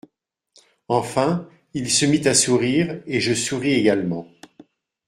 Enfin, il se mit à sourire, Et je souris également.